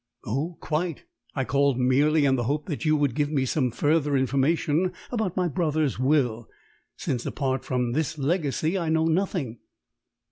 "Oh, quite. I called merely in the hope that you would give me some further information about my brother's will; since, apart from this legacy, I know nothing."